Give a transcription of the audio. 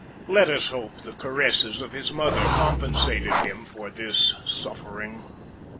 Let us hope the caresses of his mother compensated him for this suffering.